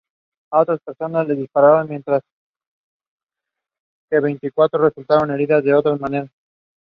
The following gives an overview of what information is included in the table.